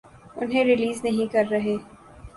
انہیں ریلیز نہیں کر رہے۔